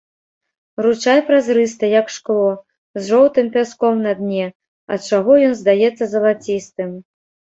Ручай празрысты, як шкло, з жоўтым пяском на дне, ад чаго ён здаецца залацістым.